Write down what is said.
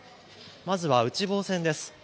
まずは内房線です。